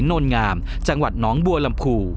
โนลงามจังหวัดน้องบัวลำพู